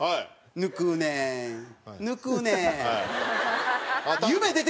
「抜くねん抜くねん」って。